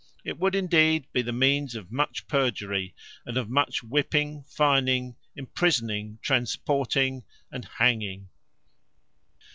It would, indeed, be the means of much perjury, and of much whipping, fining, imprisoning, transporting, and hanging.